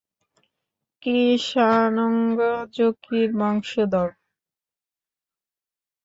কৃষ্ণাঙ্গ জকির বংশধর।